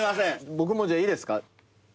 僕もじゃあいいですか？